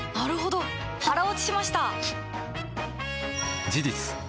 腹落ちしました！